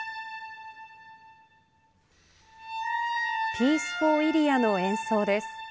ピースフォーイリアの演奏です。